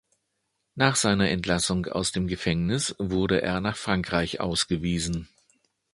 Nach seiner Entlassung aus dem Gefängnis wurde er nach Frankreich ausgewiesen.